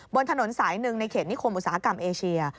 บนถนนสายหนึ่งในเขตนิคมอุตสาหกรรมเอเชีย